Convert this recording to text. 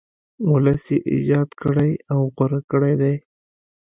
ولس یې ایجاد کړی او غوره کړی دی.